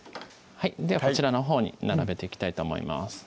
はいではこちらのほうに並べていきたいと思います